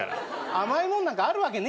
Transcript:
甘いもんなんかあるわけねえだろ。